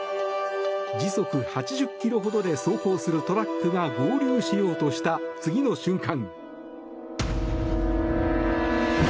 時速８０キロほどで走行するトラックが合流しようとした次の瞬間。